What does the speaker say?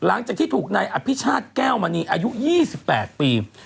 หลังจากที่ถูกนายอภิชาติแก้วมณีอายุ๒๘ปี